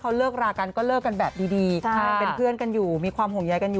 เค้าอาจจะเราเองเค้าเอง